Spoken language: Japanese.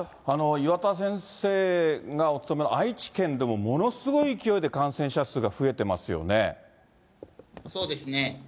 岩田先生がお勤めの愛知県でもものすごい勢いで感染者数が増そうですね。